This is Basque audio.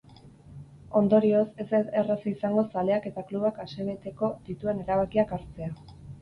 Ondorioz, ez da erraza izango zaleak eta klubak asebeteko dituen erabakiak hartzea.